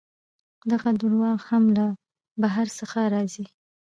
دغه درواغ هم له بهر څخه راځي.